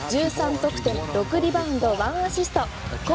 得点６リバウンド１アシスト。